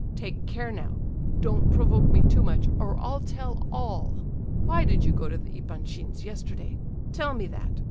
Take care now; don't provoke me too much, or I'll tell all. Why did you go to the Epanchins' yesterday—tell me that?